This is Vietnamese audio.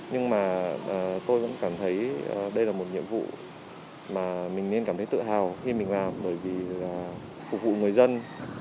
nhưng mà tôi vẫn cảm thấy đây là một nhiệm vụ mà mình nên cảm thấy tự hào khi mình làm bởi vì là phục vụ người dân